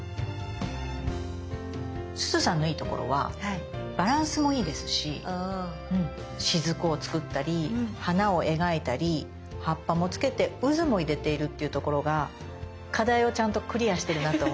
すずさんのいいところはバランスもいいですし滴を作ったり花を描いたり葉っぱもつけてうずも入れているっていうところが課題をちゃんとクリアしてるなと思いました。